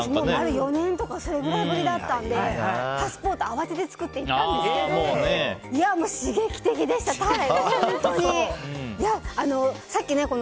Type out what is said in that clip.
４年とかそれぐらい振りだったのでパスポート、慌てて作って行ったんですけど刺激的でした、タイ。